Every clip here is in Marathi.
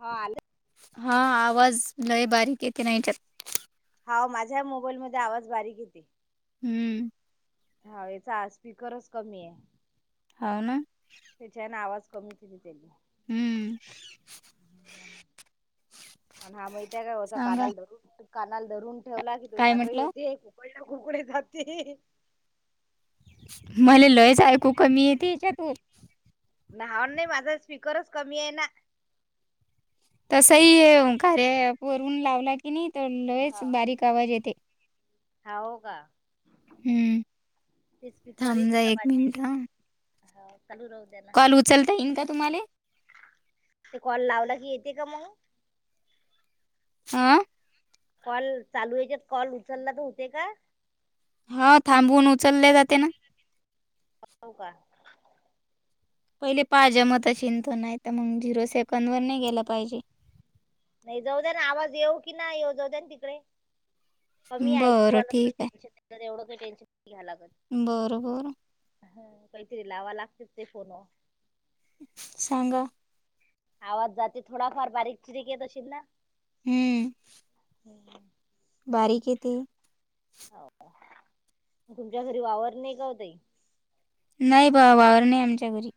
हो आल. हा आवाज लय बारीक येते ना हेच्यात. हाव माझ्या मोबाईलमध्ये आवाज बारीक येते. हम्म. हा येचा स्पीकरच कमी आहे. हा ना. तेच्या हेन आवाज कमी [unintelligible] जाईल. हम्म. [inaudible] [inaudible] पण हा माहित आहे का ओ सांगा [unintelligible] धरू कानाल धरून ठेवला कि तो काय हँग ही म्हटलं होते. [unintelligible] जाते. मला लईच ऐकू कमी येते हेच्यातून लहान नाही माझा स्पीकरच कमी आहे ना तसही कार्य ॲप वरून लावला कणी तर लईच हा. बारीक आवाज येते. हाव का [inaudible] हम्म ते थांब जरा एक मिनिट थांब. हा चालू राहू दे. कॉल उचलता येईल का तुम्हाला? ते कॉल लावला की येते का मग? आ कॉल चालू याच्यात कॉल उचलला तर होते का? हा थांबवून उचलले जाते ना. हो का. पहिले पाहिजे म चिंता नाही तर मग झिरो सेकंद वर नाही गेल पाहिजे. नाही जाऊ द्या ना आवाज येऊ की नाही येऊ जाऊ द्या ना तिकडं. कमी ऐकू बरं आलं तर ठीक टेन्शन नाही. एवढं काही टेन्शन नाही घ्याला लागत. बरोबर. हा काहीतरी लावा लागते ते फोन सांगा आवाज जाते थोडाफार बारीक चिरीक येत असशील ना? हम्म. हम्. बारीक येेते. हो [inaudible] तुमच्या घरी वावर नाही का ओ ताई? नाही बा वावर नाही आमच्या घरी.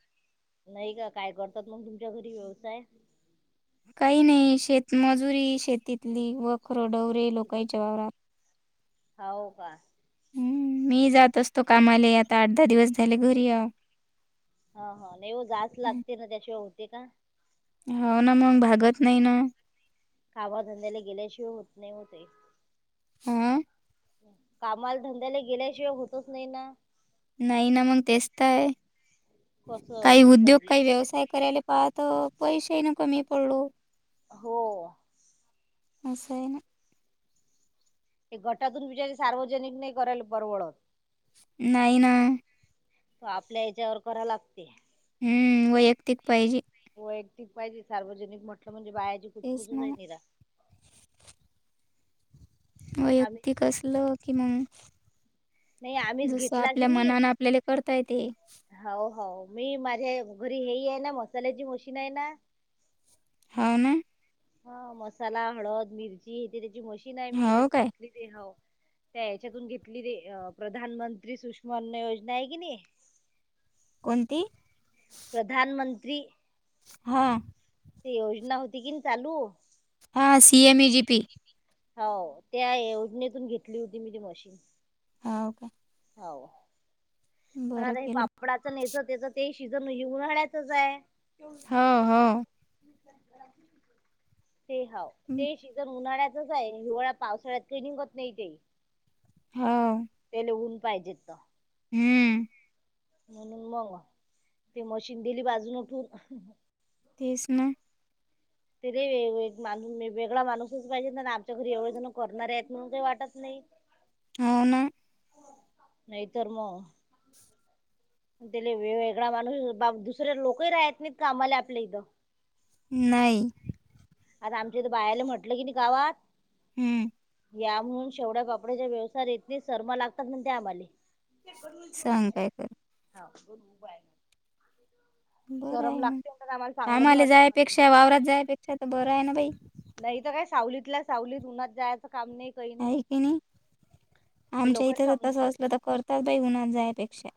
नाही का. काय करतात मग तुमच्या घरी व्यवसाय? काही नाही शेतमजुरी शेतीतली व खर डवरे शेतीत लोकांच्या वावरात. हो का हम् मी जात असतो कामाला आता आठ दहा दिवस झाले घरी हाव हा हा नाहीव जास् लागते ना त्याशिवाय होते का हो ना मग भागत नाही ना, कामा धंद्याले गेल्याशिवाय होत नाही व ते हं कामाला धंद्याला गेल्याशिवाय होतच नाही ना, नाही ना मग तेचतय काही कसं उद्योग सहले काही व्यवसाय करायला पाहत त पैसेे ना कमी पडलो. हो असय ना, हे गटातून बिचारीे सार्वजनिक नाही करायला परवडत. नाहीयना त आपल्या याच्यावर करा लागते. हम्म वैयक्तिक पाहिजे. वैयक्तिक पाहिजे सार्वजनिक म्हटलं म्हणजे बाहेची तेच कुचकुसच ना आहे मग निरा आम्हीच वैयक्तिक ना- असलं कि मग, नाही आम्हीच जस घेतला की आपल्या नाही मनान आपल्याला करता येते. हो हो मी माझ्या घरी हे आहे ना मसाल्याची मशीन आहे ना, होा ना हा मसाला, हळद, मिरची, जिरे ची त्याची मशीन आहे मी हाव हच्यातून काय घेतली. हो त्या याच्यातून घेतली रे प्रधानमंत्री सुषमान योजना आहे कि नाही, [inaudible] कोणती? प्रधान मंत्री हां ते योजना होती की चालू, हां C M E G P. हाव, त्या योजनेतून घेतली होती मी ती मशीन. हा हो का हो पण बरं आता हे केलं. पापड. याच [unintelligible] सिझन उन्हाळ्यातच आहे [unintelligible] हो हो ते हाव हं. ते सीजन उन्हाळ्यातच आहे हिवाळा पावसाळ्यात क निघत नाही ते, हा तेले ऊन पाहिजेत तर, हम्म म्हणून मग ते मशीन दिली बाजून उठून तेच ना ते दे एक माणूस वेगळा माणूसच पाहिजेत ना आमच्या घरी एवढे जण करणारे आहेत म्हणून काही वाटत नाही. [inaudible] हव ना नाही तर म त्याले वे वेगळा माणूस बा दुसरे लोकही राहत नाहीत कामाला आपल्या इथं नाही आता आमच्या हितं बाया ले म्हटलं किनी गावात हम्म या म्हणून शेवड्यापापड्याच्या व्यवसाय ला येत नही सरमा लागतात म्हण ते आम्हाले. हा सांग काय करू गरु उ [unintelligible] बरं आहे लागते म्हणतात आम्हाला ना चांगलं नाही आमाला वाटत म्हणते जायपेक्षा वावरात जायपेक्षा तर बरं आहे ना बाई नाही तर काय सावलीतला सावलीत उन्हात जायचं काम नाही. आहे की नाही हे आमच्या लोकांना इथं तर तस समजतच असलं नाही. तर करतात बाई उन्हात जायपेक्षा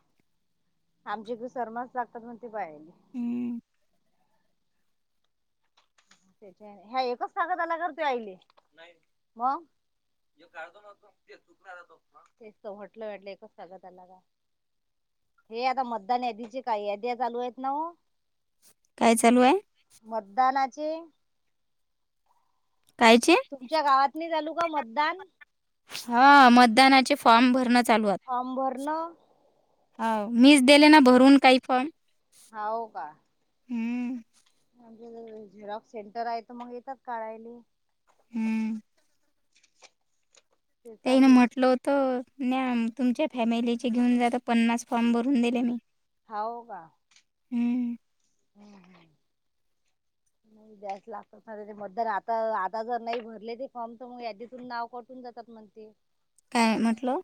आमचे इडे [unintelligible] शर्माच लागतात मग ते पायले हम्म. त्याच्या ह्या एकच स्वागत आला करते आईले मग कायतो म तो तेतटलं [unintelligible] वाटलं एकच सगतला का हे आता मतदान यादीचे काय यादी चालू आहेत ना काय चालूहाय. मतदानाची. कायचे? तुमच्या गावातली नाही चालू का. मतदान हा मतदानाचे फॉर्म भरणं चालूय. फॉर्म भरल. हो मीच दिले ना भरून काही फॉर्म. हो का. हम्म. म्हे [unintelligible] झेरॉक्स सेंटर आहे त मग येतात काढयली. हम्म. [inaudible] त्यान आहे म्हटलं होतं न तुमच्या फॅमिलीचे घेऊन जात पन्नास फॉर्म भरून दिले मी हव का. हम्म. हम् हम ब्यास [unintelligible] लाख मदर आता आता जर नाही भरले ते फॉर्म तर मग यादीतून नाव कटून जातात म्हण ते काय म्हटलं.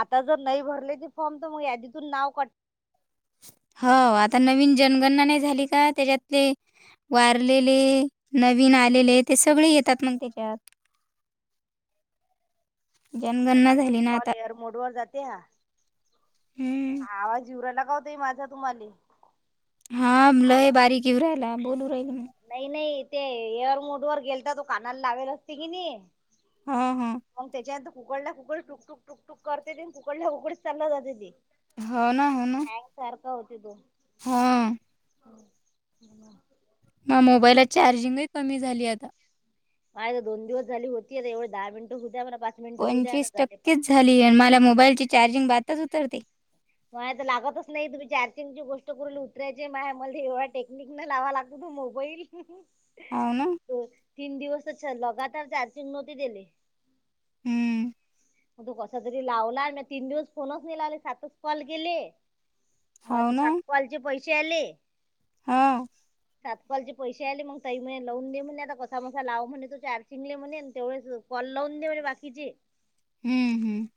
आता जर नाही भरले ते फॉर्म तर मग यादीतून नाव काट हो आता नवीन जनगणना नाही झाली का त्याच्यातले वारलेले नवीन आलेले ते सगळे येतात मग त्याच्यात. ह [inaudible] अ जनगणना बापा झाली स् ना आता कॉल एअरमोड वर जातेया. हम्म. आवाज इवरायलागवताय माझा तुम्हाले. हा आवा लय बारीक येऊ राहियला बोलू राहील मी. नाही नाही ते एअर मोड वर गेल तर तो कानाला लागवेल असते कि नाही. हा हा मग त्याच्यांत. ककडला कुकड टुकटुक टुकटुक करते ते ककडला कुकडीच ल जाते ते. हो ना हो ना. सारखा होती तो. हो. हो हो. मग मोबाईला चार्जिंगही कमी झाली आता. माय दोन दिवस झाली होती एवे दहा मिनट होद्या मला मिनिटं होऊ द्या आता पंचवीस झाले पा टक्केच झाली आ मला मोबाईलची चार्जिंग बातच उतरते. मा तर लागतच नाही तुम्ही चार्जिंगची गोष्ट करून उतरायचे मा मला एवढा टेक्निक न लावा लागत. ब मोबाईल. आव ना. तीन दिवस लगातार चार्जिंग नव्हती दिले हम्म मग तू कसा तरी लावला म तीन दिवस फोनच नाही लावले सातच कॉल केले अ हो ना सातकलचे पैसे आले हा सातपालचे पैसे आले मग तई म्ह लवन देले म्हणेले आता कसा मसा लाव म्हणे तो चार्जिंगले म्हणे तेवळेच कलवन म्हण बाकीचे हम्म हम्म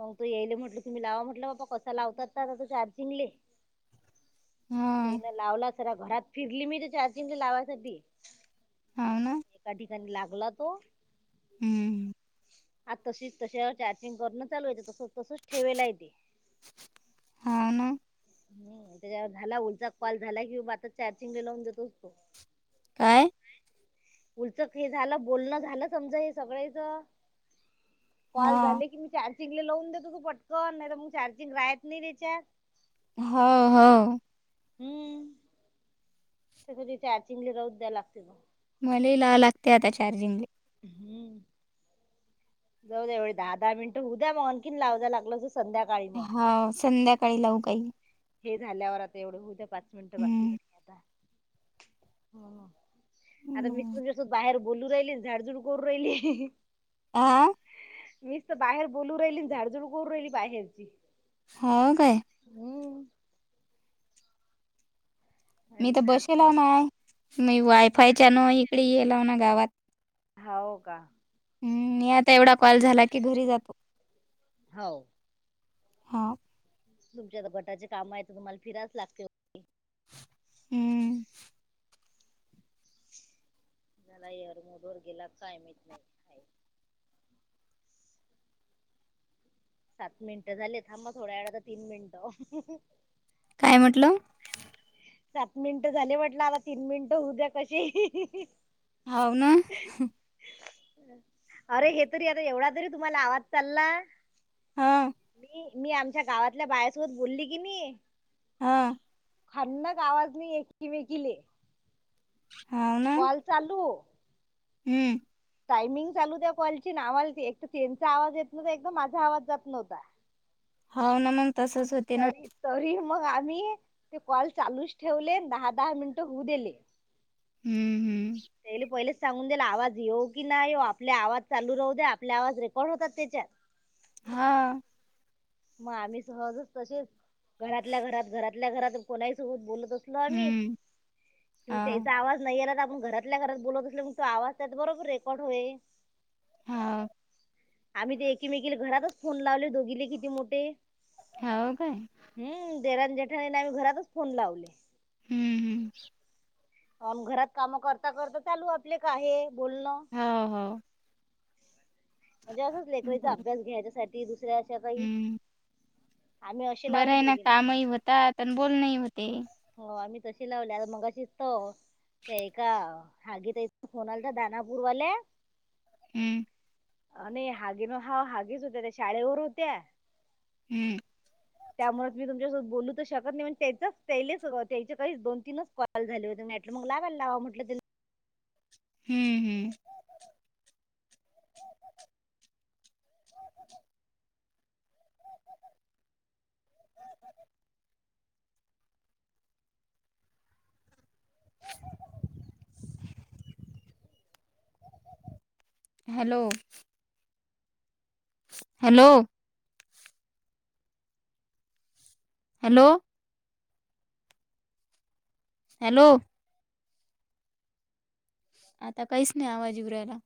मग तो येईले म्हटलं तुम्ही लावा म्हटलं बाबा कसा लावतात चार्जिंगले हा तेन लावला सरा घरात फिरली मी ते चार्जिंग लावायसाठी हो ना एका ठिकाणी लागला तो हम्म आता तशीच तश चार्जिंग करणं चालूयचं तस तसच ठेवेला आहे तेे अ ना ह त्याच्यावर झाला लचा कॉल झाला किं आता चार्जिंग लावून देतो असतो काय उलचक हे झालं बोलणं झालं समजा हे सगळ्याच कॉल हा झाले की मी चार्जिंग लावून देतो तू पटकन नाही तरर मग चार्जिंग राहत नाही रेच्या होा हा हम्म [unintelligible] मला ला लागते आता चार्जिंग ला हम्म जाऊ एवढे दहा दहा मिनट उद्या म्हनखीन लावायला लागल असं संध्याकाळी मग हा संध्याकाळी लावू काही हे झाल्यावर आता एवढं होद्या पाच मिनट बाकी हं. आहेत आता आता मी हं. तुमच्यासोबत बाहेर बोलू राहिली झाडझुड करू राहिली आ मीच तर बाहेर बोलू राहिली झाडझुडू करू राहिली बाहेरची होा काय हम् मी तर बसेलव ना मी वायफायच्यान इकडे येलाव ना गावात हो का हम्म मी आता एवढा कॉल झाला की घरी जातो हो हा तुमच्या आता घटाचे काम आहे तर तुम्हाला फिराच लागतील हम्म आपला एअरमधवर गेला काय माहीत नाही आहे. सात मिनिटं झाले थांब थोड्या वेळात तीन मिनिटं काय म्हटलं. सात मिनिट झाले म्हटलं आता तीन मिनटं होऊ द्या कसेही. हाव ना. अरे, हे तरी आता एवढा तरी तुम्हाला आवाज चालला. हां. मी, मी आमच्या गावातल्या बायासोबत बोली कणी. आ.. खान क‌ आवाज नि एकिमेकीले. हावं न. कॉल चालू. हम्म. टायमिंग चालू त्या कॉलच न, आम्हाला एक त्यांचा आवाज येत नव्हता, एक तर माझा आवाज जात नव्हता. हो ना, मग तसंच पण होते ना. तरी तरी मग आम्ही ते, कॉल चालूच ठेवले. दहा दहा मिनटं होऊ दिले. हम्म. हम्म. त्याले पहिलेच सांगून दिला. आवाज येऊ की नाही येऊ आपले आवाज चालूच राहू द्या, आपले आवाज रेकॉर्ड होतात तेच्यात. हां. मग आम्ही सहजच तसेच, घरातल्या घरात घरातल्या घरात कोणाही सोबत बोलत अस बरं मी हं. मग हाव. त्याचा आवाज नाही येईला, तर मग आपण घरात. आपल्या घरात बोलत असलं मग, तो आवाज त्यात बरोबर रेकॉर्ड होईल. हा. आम्ही तर एकीमेकीला घरातच फोन लावले, दोघीले किती मोठे. हाव काय? हम्म, देवरान जठाणीला, आम्ही घरातच फोन लावले. हम्म हम्. घरात कामं करता करता चालू, आपले काहे बोलणं. हो, हो. म्हणजे असंच, लेकराईचा बरं. अभ्यास घ्यायच्यासाठी दुसऱ्या अशा काही. आम्ही असे लावले बरेन ना, दोघी. कामही होतात आणि बोलण ही होते. हो, आम्ही तशी लावली आ, मगशीतो ते एका का हागी ताई फोन आलता दानापूरवाल्या. हम्म. आणि हागिनो हाते हागीच होत्या, त्या शाळेवर होत्या. हम्म. त्यामुळेचतर मी तुमच्यासोबत बोलू तर, शकत नाही मग त्याचं. तेयीचे काही दोन तीनच कॉल झाले होते, मग लावायला लावा म्हटलं. हम्म हम्म. [inaudible] हॅलो. हॅलो. हॅलो. हॅलो. आता काहीच नाही, आवाज येऊन राहिला.